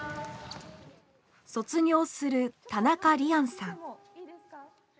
卒業する田中璃杏さん。